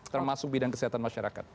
termasuk bidang kesehatan masyarakat